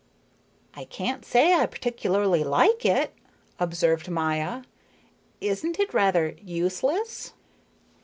"I can't say I particularly like it," observed Maya. "Isn't it rather useless?"